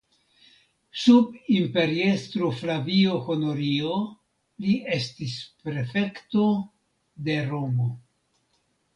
Sub imperiestro Flavio Honorio li estis prefekto de Romo.